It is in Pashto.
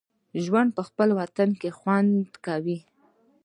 ژوند په خپل وطن کې خوند کوي